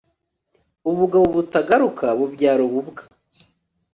ubugabo butagaruka bubyara ububwa